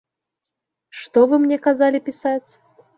Што вы мне казалі пісаць?